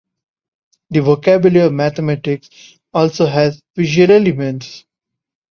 The vocabulary of mathematics also has visual elements.